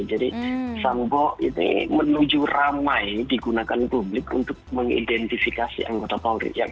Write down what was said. jadi sambok ini menuju ramai digunakan publik untuk mengidentifikasi anggota polri